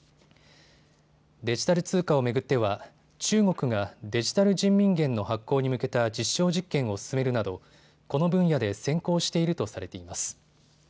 デジタル通貨を巡っては中国がデジタル人民元の発行に向けた実証実験を進めるなどこの分野で先行しているとされています。